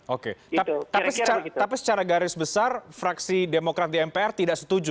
oke tapi secara garis besar fraksi demokrat di mpr tidak setuju